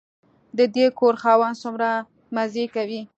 د دې کور خاوند څومره مزې کوي.